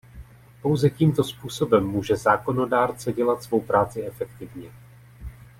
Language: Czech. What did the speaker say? Pouze tímto způsobem může zákonodárce dělat svou práci efektivně.